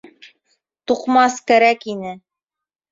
Туҡмас кәрәк ине.